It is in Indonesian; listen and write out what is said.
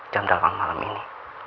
jam delapan malam ini